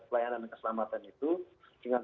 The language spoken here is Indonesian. pelayanan dan keselamatan itu dengan